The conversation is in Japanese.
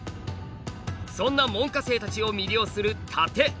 そんな門下生たちを魅了する殺陣。